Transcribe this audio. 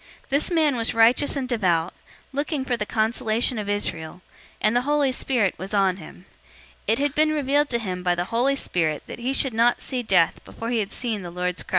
This man was righteous and devout, looking for the consolation of Israel, and the Holy Spirit was on him. 002:026 It had been revealed to him by the Holy Spirit that he should not see death before he had seen the Lord's Christ.